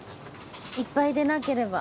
いっぱいでなければ。